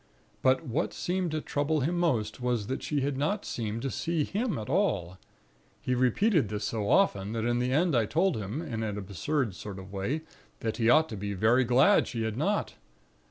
But what seemed to trouble him most, was that she had not seemed to see him at all. He repeated this so often, that in the end I told him, in an absurd sort of way, that he ought to be very glad she had not.